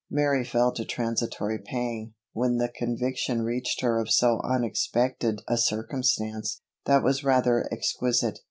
Mary felt a transitory pang, when the conviction reached her of so unexpected a circumstance, that was rather exquisite.